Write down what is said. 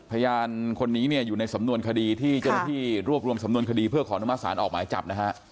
พยานคนนี้เนี่ยอยู่ในสำนวนคดีที่เจ้าหน้าที่รวบรวมสำนวนคดีเพื่อขอนุมัติศาลออกหมายจับนะฮะ